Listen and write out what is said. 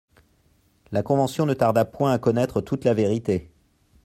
La Convention ne tarda point à connaître toute la vérité.